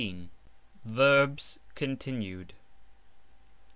VERBS (continued).